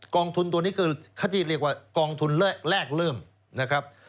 องทุนตัวนี้คือที่เรียกว่ากองทุนแรกเริ่มนะครับ